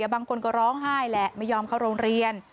บางคนก็ร้องไห้แหละไม่ยอมเข้าโรงเรียน